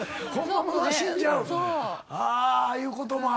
ああいうこともあって。